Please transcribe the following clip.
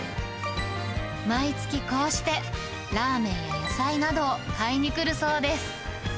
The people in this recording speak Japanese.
毎月、こうしてラーメンや野菜などを買いに来るそうです。